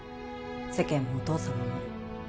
世間もお父様も